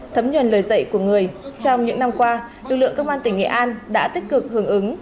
thấm nhuần lời dạy của người trong những năm qua lực lượng công an tỉnh nghệ an đã tích cực hưởng ứng